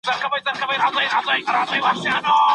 په لاس لیکلنه د تجربو د شریکولو طریقه ده.